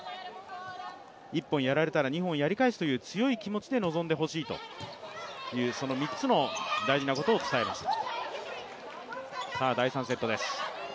１本やられたら２本やり返すという、強い気持ちで臨んでほしいという３つの大事なことを伝えました。